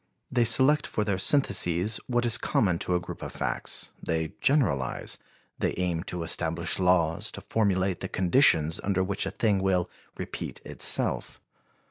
They select for their syntheses what is common to a group of facts; they generalize, they aim to establish laws, to formulate the conditions under which a thing will repeat itself.